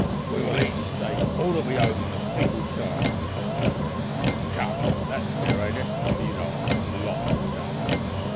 "We will each stake all that we own on a single chance," he said, looking round. "Come, that's fair, ain't it? for you know I've got lots of dust."